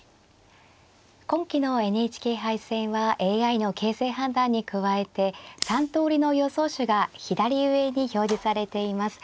今期のＮＨＫ杯戦はＡＩの形勢判断に加えて３通りの予想手が左上に表示されています。